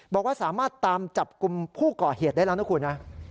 บอกว่าสามารถตามจับกลุ่มผู้ก่อเหตุได้แล้วนะคุณนะ